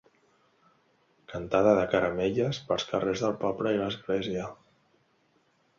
Cantada de caramelles pels carrers del poble i l'església.